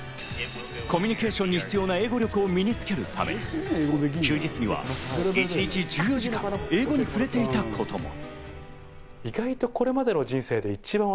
コミュニケーションに必要な英語力を身につけるため、休日には一日１４時間、英語に触れていたことも。